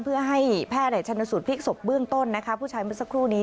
เพื่อให้แพทย์ชนสูตรพลิกศพเบื้องต้นนะคะผู้ชายเมื่อสักครู่นี้